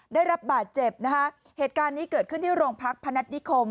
ได้รับบาดเจ็บนะคะเหตุการณ์นี้เกิดขึ้นที่โรงพักพนัฐนิคม